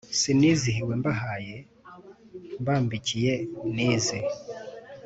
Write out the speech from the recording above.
sinizihiwe mbahaye mbambikiye n’izi,